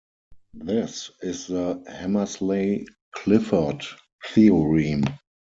This is the Hammersley-Clifford theorem.